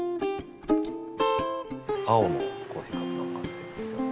青のコーヒーカップもすてきですよね。